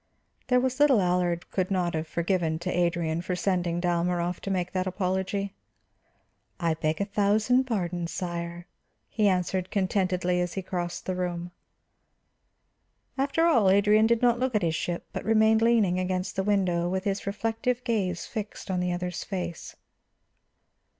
There was little Allard could not have forgiven to Adrian for sending Dalmorov to make that apology. "I beg a thousand pardons, sire," he answered contentedly as he crossed the room. After all Adrian did not look at his ship, but remained leaning against the window with his reflective gaze fixed on the other's face.